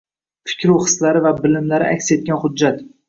fikru hislari va bilimlari aks etgan hujjat;